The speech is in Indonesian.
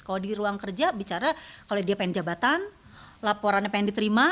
kalau di ruang kerja bicara kalau dia pengen jabatan laporannya pengen diterima